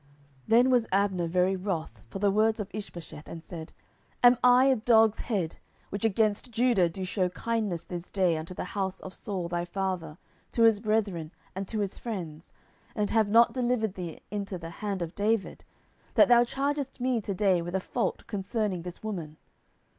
10:003:008 Then was Abner very wroth for the words of Ishbosheth, and said, Am I a dog's head, which against Judah do shew kindness this day unto the house of Saul thy father, to his brethren, and to his friends, and have not delivered thee into the hand of David, that thou chargest me to day with a fault concerning this woman?